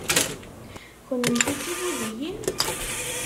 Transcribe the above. Kennemti d tibudiyin?